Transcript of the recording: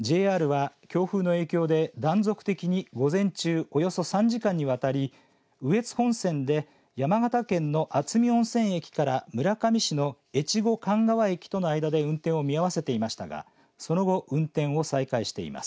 ＪＲは強風の影響で、断続的に午前中、およそ３時間にわたり羽越本線で山形県のあつみ温泉駅から村上市の越後寒川駅との間で運転を見合わせていましたがその後、運転を再開しています。